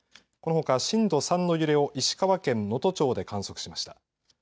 このほか震度３の揺れを石川県能登町で観測しました。